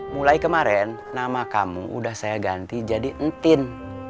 mulai kemarin nama kamu udah saya ganti jadi entin